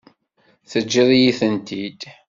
Teǧǧiḍ-iyi-tent-id.